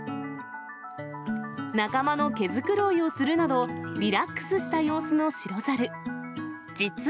仲間の毛繕いをするなど、リラックスした様子の白猿。